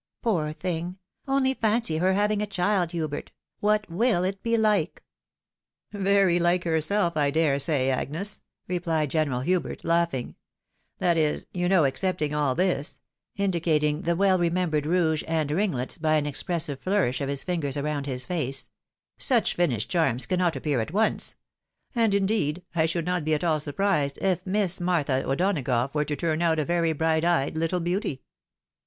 Poor thing ! only fancy her having a child, Hubert ; what will it be like ?" "Very Mke herself, I dare say, Agnes,'' replied General Hubert, laughing ;" that is, you know, excepting all this," in dicating the well remembered rouge and ringlets by an expres sive flourish of his fingers around his face; "such finished charms cannot appear at once ; and, indeed, I should not be at all surprised if Miss Martha O'Donagough were to turn out a very bright eyed httle beauty."